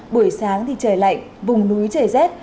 buổi sáng thì trời lạnh vùng núi trời rét